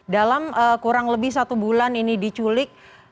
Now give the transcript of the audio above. dalam kurang lebih satu bulan ini diculik